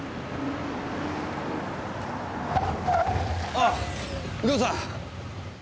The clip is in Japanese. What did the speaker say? あっ右京さん！